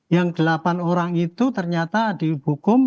yang delapan orang itu ternyata dihukum